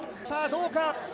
さあ、どうか。